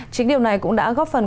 chính điều này cũng đã góp phần